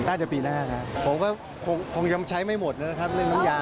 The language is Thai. น่าจะปีหน้านะคะผมก็คงยังใช้ไม่หมดเลยจ้ะ